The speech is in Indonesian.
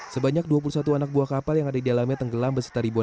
sebanyak dua puluh satu anak buah kapal yang ada di dalamnya tenggelam beserta ribuan